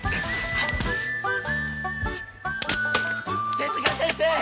手先生！